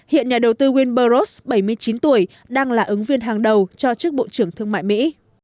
hiện nhà đầu tư winbur ross bảy mươi chín tuổi đang là ứng viên hàng đầu cho chức bộ trưởng thương mại mỹ